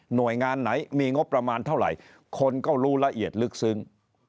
หน่วยงานไหนมีงบประมาณเท่าไหร่คนก็รู้ละเอียดลึกซึ้ง